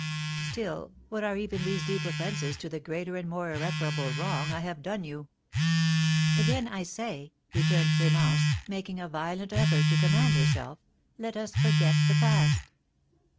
Still, what are even these deep offences to the greater and more irreparable wrong I have done you?" "Again I say," returned Clémence, making a violent effort to command herself, "let us forget the past."